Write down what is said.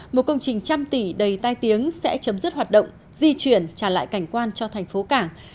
một công trình trăm tỷ đầy tai tiếng sẽ chấm dứt hoạt động di chuyển trả lại cảnh quan cho thành phố cảng